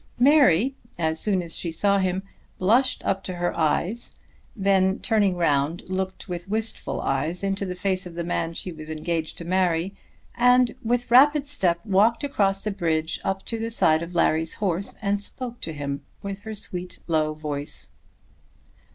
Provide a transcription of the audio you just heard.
Mary, as soon as she saw him, blushed up to her eyes, then turning round looked with wistful eyes into the face of the man she was engaged to marry, and with rapid step walked across the bridge up to the side of Larry's horse, and spoke to him with her sweet low voice.